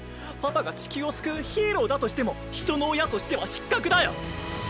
パパが地球を救うヒーローだとしても人の親としては失格だよ！